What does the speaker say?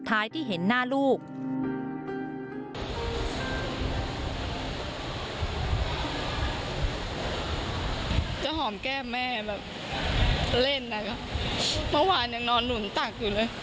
เมื่อวานยังนอนหนุนตักอยู่เลย